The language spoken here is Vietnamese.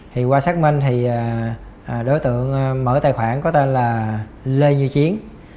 thì qua xác minh thì đối tượng mở tài khoản có tên là lê như chiến